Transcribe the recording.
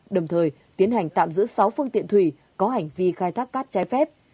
đồng thời tiến hành tạm giữ sáu phương tiện thủy có hành vi khai thác cát trái phép